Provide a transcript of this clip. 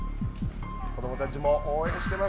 子供たちも応援しています。